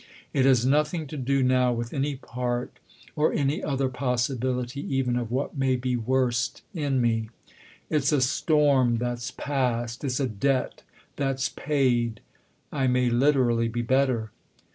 " It has nothing to do now with any part or any other possibility even of what may be worst in me. It's a storm that's past, it's a debt that's paid. I may literally be better."